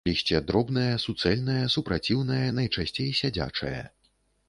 Лісце дробнае, суцэльнае, супраціўнае, найчасцей сядзячае.